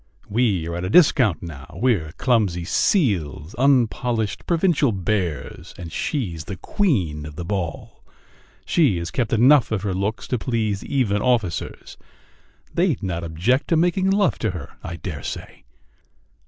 "We are at a discount now.... We're clumsy seals, unpolished provincial bears, and she's the queen of the ball! She has kept enough of her looks to please even officers ... They'd not object to making love to her, I dare say!"